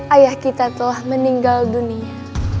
ayah kita telah meninggal dunia